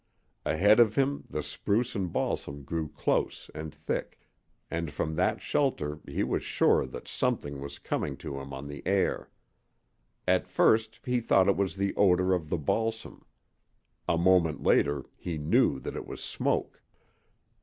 Ahead of him the spruce and balsam grew close and thick, and from that shelter he was sure that something was coming to him on the air. At first he thought it was the odor of the balsam. A moment later he knew that it was smoke.